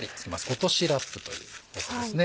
落としラップというやつですね。